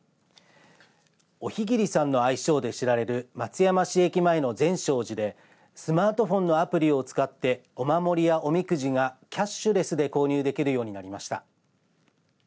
お日切さんの愛称で知られる松山市駅前の善勝寺でスマートフォンのアプリを使ってお守りやおみくじがキャッシュレスで購入できるようになりました。